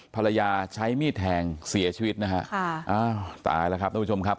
ใช้มีดแทงเสียชีวิตนะฮะค่ะอ้าวตายแล้วครับท่านผู้ชมครับ